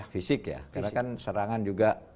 fisik ya karena kan serangan juga